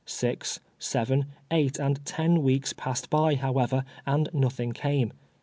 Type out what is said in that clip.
Six, seven, eight, and ten weeks passed by, however, and nothing came.